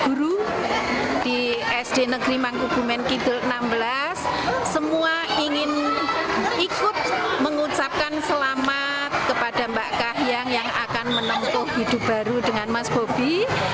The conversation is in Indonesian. guru di sd negeri mangkubumen kidul enam belas semua ingin ikut mengucapkan selamat kepada mbak kahiyang yang akan menempuh hidup baru dengan mas bobi